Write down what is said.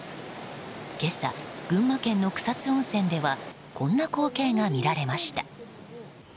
今朝、群馬県の草津温泉ではこんな光景が見られました。